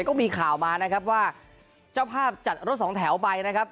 ก็มีข่าวมานะครับว่าเจ้าภาพจัดรถสองแถวไปนะครับ